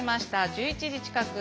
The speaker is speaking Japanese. １１時近く。